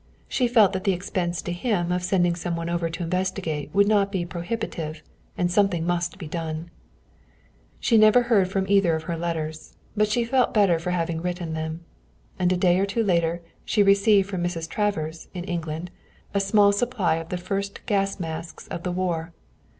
She felt that the expense to him of sending some one over to investigate would not be prohibitive, and something must be done. She never heard from either of her letters, but she felt better for having written them. And a day or two later she received from Mrs. Travers, in England, a small supply of the first gas masks of the war.